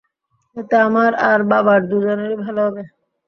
এতে আমার আর বাবার দুজনেরই ভালো হবে।